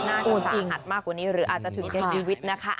หน้าความสาหัสมากกว่านี้อาจจะถึงในชีวิตนะคะ